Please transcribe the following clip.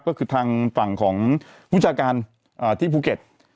ก็คือทางฝั่งของผู้จัดการที่ภูเก็ต